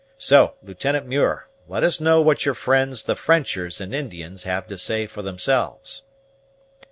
So, Lieutenant Muir, let us know what your friends the Frenchers and Indians have to say for themselves."